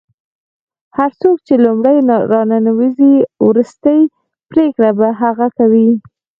هر څوک چې لومړی راننوځي وروستۍ پرېکړه به هغه کوي.